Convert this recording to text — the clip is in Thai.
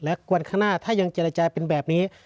และวันข้างหน้าถ้ายังเจรจาเป็นแบบนี้